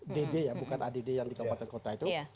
dd ya bukan add yang di kabupaten kota itu